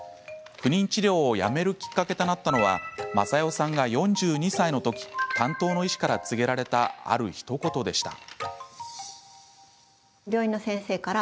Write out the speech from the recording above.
不妊治療をやめるきっかけとなったのは雅代さんが４２歳のとき担当の医師から告げられたあるひと言でした。